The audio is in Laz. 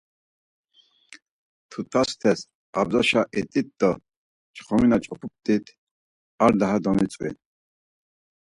Tutastes abjaşa it̆it do çxomi na ç̌opumt̆it ar daha domitzvi.